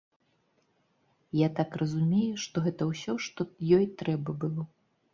Я так разумею, што гэта ўсё, што ёй трэба было.